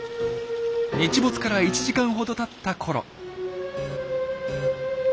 日没から１時間ほどたったころ。